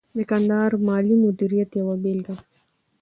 د کندهار مالي مدیریت یوه بیلګه ده.